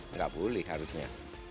nggak boleh harusnya